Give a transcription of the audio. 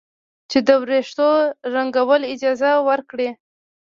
چې د ویښتو د رنګولو اجازه ورکړي.